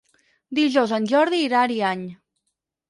Dijous en Jordi irà a Ariany.